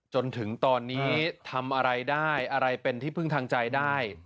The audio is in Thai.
จนถึงตอนนี้ทำอะไรได้อะไรเป็นที่พึ่งทางใจได้